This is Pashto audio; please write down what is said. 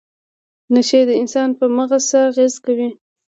نشې د انسان په مغز څه اغیزه کوي؟